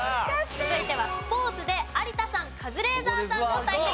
続いてはスポーツで有田さんカズレーザーさんの対決です。